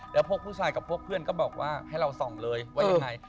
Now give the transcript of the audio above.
แล้วพวกผู้ชายกับพวกเพื่อนก็บอกว่าให้เราส่องเลยว่ายังไง